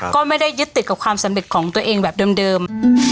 ก็ไม่ได้ยึดติดกับความสำเร็จของตัวเองแบบเดิม